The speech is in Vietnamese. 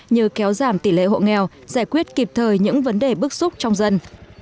như kéo giảm tỷ lệ hộ nghèo giải quyết kịp thời những vấn đề bức xúc trong dân